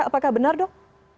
apakah benar dok